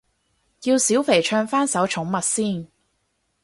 叫小肥唱返首寵物先